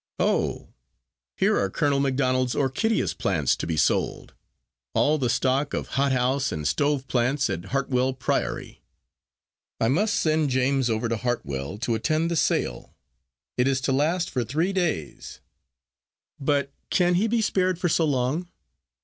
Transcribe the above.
"Oh! here are Colonel Macdonald's orchideous plants to be sold. All the stock of hothouse and stove plants at Hartwell Priory. I must send James over to Hartwell to attend the sale. It is to last for three days." "But can he be spared for so long?"